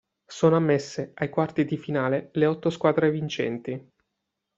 Sono ammesse ai quarti di finale le otto squadre vincenti.